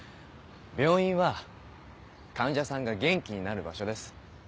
病院は患者さんが元気になる場所です。